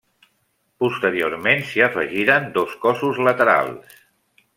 Posteriorment s'hi afegiren dos cossos laterals.